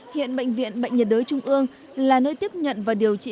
hiện bệnh viện bệnh nhiệt đới trung ương là nơi tiếp nhận và điều trị